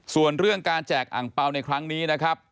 ส่วนเรื่องการแจกอังเปล่าในครั้งนี้นะครับ